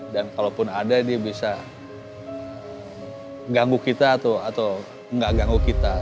dan kalaupun ada dia bisa ganggu kita atau nggak ganggu kita